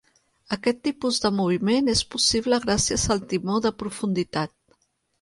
Aquest tipus de moviment és possible gràcies al timó de profunditat.